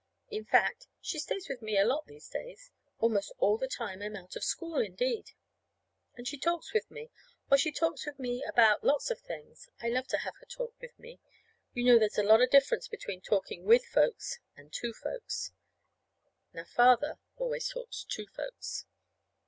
In fact, she stays with me a lot these days almost all the time I'm out of school, indeed. And she talks with me oh, she talks with me about lots of things. (I love to have her talk with me. You know there's a lot of difference between talking with folks and to folks. Now, Father always talks to folks.)